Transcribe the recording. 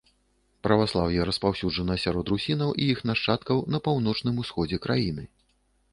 Праваслаўе распаўсюджана сярод русінаў і іх нашчадкаў на паўночным усходзе краіны.